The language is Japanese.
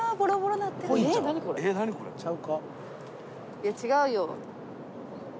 いや違うよ。